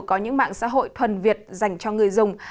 có những mạng xã hội thuần việt dành cho người dùng